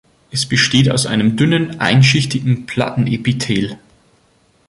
Es besteht aus einem dünnen, einschichtigen Plattenepithel.